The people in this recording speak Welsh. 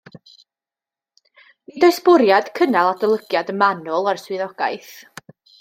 Nid oes bwriad cynnal adolygiad manwl o'r swyddogaeth